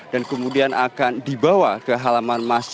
dan kemudian akan dibawa ke halaman masjid